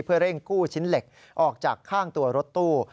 เพื่อเร่งกู้ชิ้นเหล็กออกจากข้างตัวรถตู้